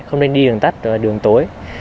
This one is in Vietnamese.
không nên đi đường tắt đường tối